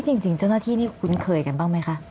จริงเจ้าหน้าที่นี่คุ้นเคยกันบ้างไหมคะ